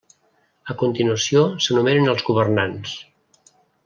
A continuació s'enumeren els governants.